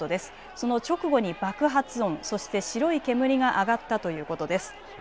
その直後に爆発音、そして白い煙が上がったということです。